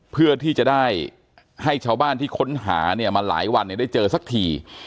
เพื่อที่จะได้ให้ชาวบ้านที่ค้นหาเนี่ยมาหลายวันได้เจอสักที